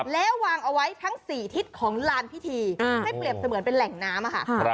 แล้ววางเอาไว้ทั้ง๔ทิศของลานพิธีให้เปรียบเสมือนเป็นแหล่งน้ำค่ะ